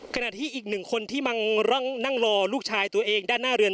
ขณะที่อีกหนึ่งคนที่มานั่งรอลูกชายตัวเองด้านหน้าเรือน